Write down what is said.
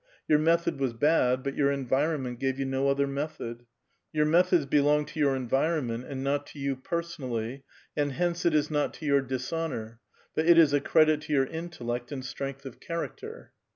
Your method was bad, but your environment gave you no other method. Your methods belong to your environment, and not to you person ally, and hence it is not to your dishonor, but it is a credit to your intellect and strength of character.